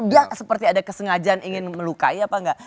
dia seperti ada kesengajaan ingin melukai apa enggak